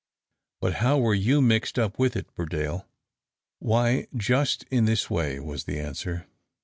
But how were you mixed up with it, Burdale?" "Why, just in this way," was the answer.